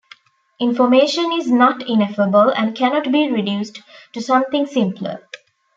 Information is not "ineffable" and cannot be reduced to something simpler.